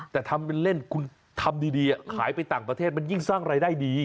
แต่ทำเป็นเล่นคุณทำดีขายไปต่างประเทศมันยิ่งสร้างรายได้ดี